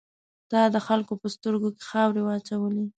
تا د خلکو په سترګو کې خاورې واچولې.